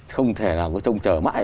không thể nào có trông chờ mãi